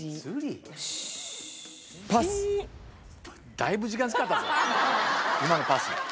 だいぶ時間使ったぞ今のパス。